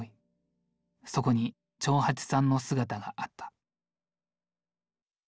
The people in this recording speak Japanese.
そこに長八さんの姿があった。